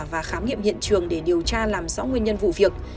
và khám nghiệm hiện trường để điều tra làm rõ nguyên nhân vụ việc